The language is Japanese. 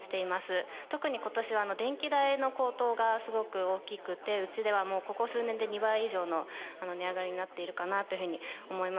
特に今年は電気代の高騰がすごく大きくてうちではもうここ数年で２倍以上の値上がりになっているかなというふうに思います。